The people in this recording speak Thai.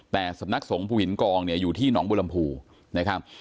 แต่สำนักสงภูหินกองเนี่ยอยู่ที่หนองบุรมภูนะครับ